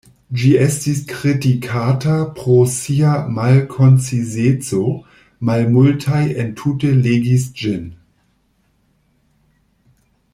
Ĝi estis kritikata pro sia “malkoncizeco”, malmultaj entute legis ĝin.